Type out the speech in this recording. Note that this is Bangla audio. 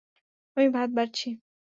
আমি ভাত বাড়ছি।